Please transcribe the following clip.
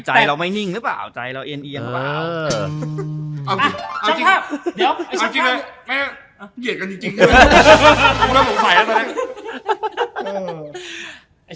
จักภัยนะโอเคโอเคใจเนี้ยใจเนี่ย